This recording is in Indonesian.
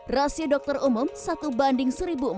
rasio dokter umum satu banding satu empat ratus